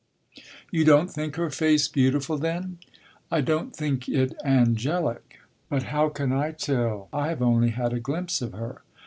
"You don't think her face beautiful, then?" "I don't think it angelic. But how can I tell? I have only had a glimpse of her."